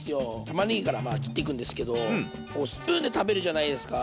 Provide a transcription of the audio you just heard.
たまねぎから切っていくんですけどスプーンで食べるじゃないですか？